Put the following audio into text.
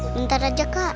bentar aja kak